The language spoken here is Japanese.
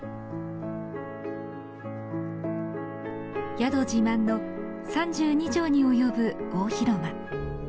宿自慢の３２畳に及ぶ大広間。